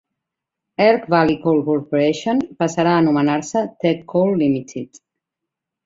Elk Valley Coal Corporation passarà a anomenar-se Teck Coal Limited.